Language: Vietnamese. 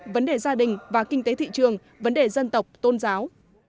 vấn đề gia đình và kinh tế thị trường vấn đề dân tộc tôn giáo